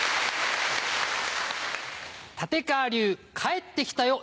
立川流帰ってきたよ